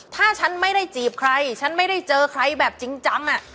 ถ้าฉันไม่ได้จีบใครฉันไม่ได้เจอใครแบบจริงจัง